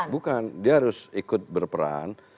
bukan dia harus ikut berperan